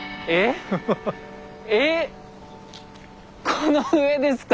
この上ですか？